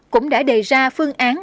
cũng đã đề ra phương án